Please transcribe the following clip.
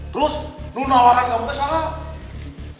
terus non tawaran kamu kesana